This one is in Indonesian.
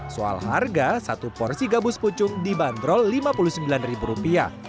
soal harga satu porsi gabus pucung dibanderol rp lima puluh sembilan